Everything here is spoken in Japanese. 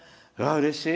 うれしい。